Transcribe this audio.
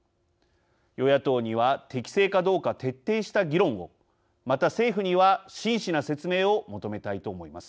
与野党には適正かどうか徹底した議論をまた、政府には真しな説明を求めたいと思います。